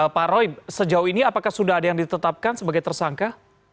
pak roy sejauh ini apakah sudah ada yang ditetapkan sebagai tersangka